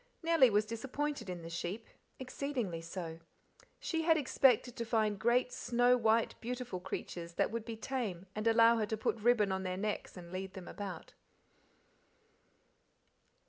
Nellie was disappointed in the sheep, exceedingly so. She had expected to find great snow white beautiful creatures that would be tame and allow her to put ribbon on their necks and lead them about.